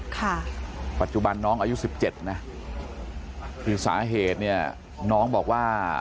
ค่ะปัจจุบันน้องอายุสิบเจ็ดนะคือสาเหตุเนี่ยน้องบอกว่า